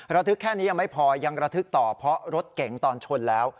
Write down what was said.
ระทึกแค่นี้ยังไม่พอยังระทึกต่อเพราะรถเก๋งตอนชนแล้ว